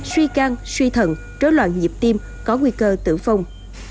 suy can suy thận rối loạn dịp tim có nguy cơ tử vong